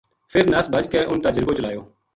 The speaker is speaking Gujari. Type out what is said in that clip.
فر نس بھج کے ان تا جرگو چلایو